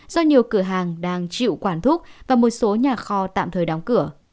do nhiều cửa hàng đang chịu quản thúc và một số nhà kho tạm thời đóng cửa